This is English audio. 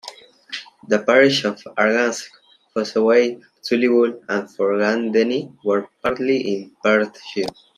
The parishes of Arngask, Fossoway, Tulliebole and Forgandenny were partly in Perthshire.